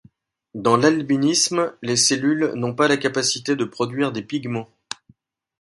Dans l'albinisme, les cellules n'ont pas la capacité de produire des pigments.